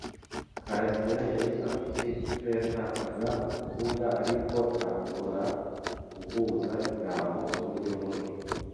karasira yari afite icyo yashakaga kuvuga. Ariko, ntashobora guhuza ijambo muburyo bumwe.